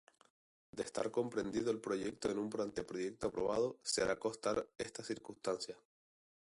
De estar comprendido el proyecto en un anteproyecto aprobado, se hará constar esta circunstancia.